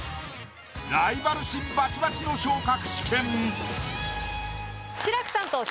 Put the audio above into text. ライバル心バチバチの昇格試験。